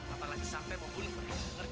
apalagi sampai membunuh penyelamat